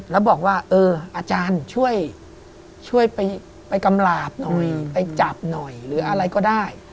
แล้วบอกว่าเอออาจารย์ช่วยไปกำหลาบหน่อยไปจับหน่อยหรืออะไรก็ได้